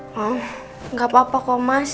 maaf nggak apa apa kok mas